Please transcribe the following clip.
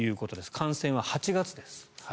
感染は８月です。